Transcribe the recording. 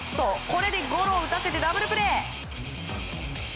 これでゴロを打たせてダブルプレー！